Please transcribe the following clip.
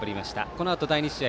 このあと第２試合